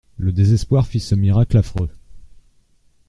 Le désespoir fit ce miracle affreux.